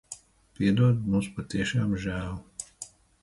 Piedod. Mums patiešām žēl.